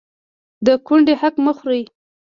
د کونډې حق مه خورئ